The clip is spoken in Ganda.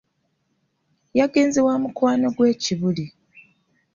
yagenze wa mukwano gwe e Kibuli.